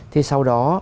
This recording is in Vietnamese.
thế sau đó